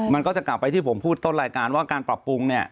มันก็จะกลับไปที่ผมพูดต้นรายการว่าการปรับปรุงเนี่ย